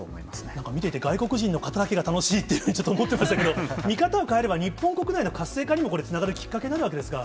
なんか見ていて、外国人の方だけが楽しいってちょっと思ってましたけど、見方を変えれば、日本国内の活性化にもつながるきっかけになるわけですか。